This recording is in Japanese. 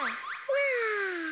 わあ！